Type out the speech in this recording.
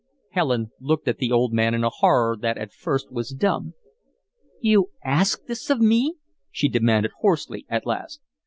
Helen looked at the old man in a horror that at first was dumb. "You ask this of me?" she demanded, hoarsely, at last.